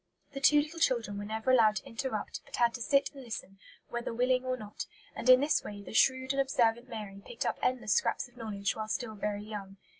The two little children were never allowed to interrupt, but had to sit and listen, "whether willing or not"; and in this way the shrewd and observant Mary picked up endless scraps of knowledge while still very young.